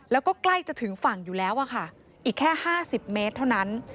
แล้วก็ใกล้จะถึงฝั่งอยู่แล้วอะค่ะอีกแค่๕๐เมตรเท่านั้น